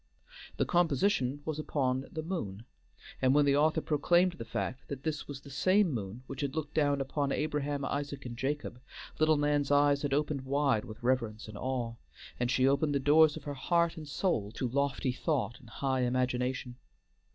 The composition was upon The Moon, and when the author proclaimed the fact that this was the same moon which had looked down upon Abraham, Isaac, and Jacob, little Nan's eyes had opened wide with reverence and awe, and she opened the doors of her heart and soul to lofty thought and high imagination.